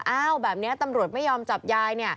อ้าวแบบนี้ตำรวจไม่ยอมจับยาย